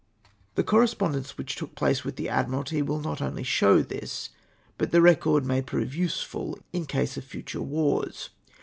The correspondence which took place with the Ad miralty will not only show this, but the I'ecord may prove usefid in case of future wars.